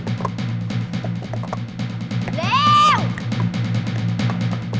เร็ว